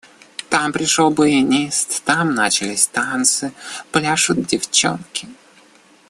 Там пришел баянист, там начались танцы – пляшут девчонки.